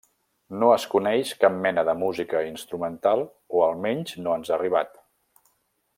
No es coneix cap mena de música instrumental, o almenys no ens ha arribat.